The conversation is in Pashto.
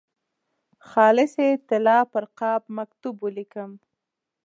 خالصې طلا پر قاب مکتوب ولیکم.